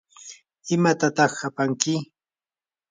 ¿imatataq apanki?